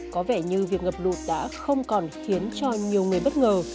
có vẻ như việc ngập lụt đã không còn khiến cho nhiều người bất ngờ